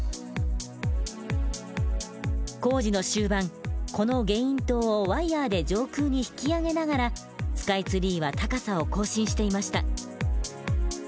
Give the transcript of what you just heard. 工事の終盤このゲイン塔をワイヤーで上空に引き上げながらスカイツリーは高さを更新していました。